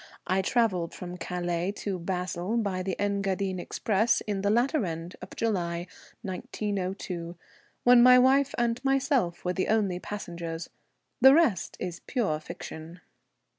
I travelled from Calais to Basle by the Engadine Express in the latter end of July, 1902, when my wife and myself were the only passengers. The rest is pure fiction.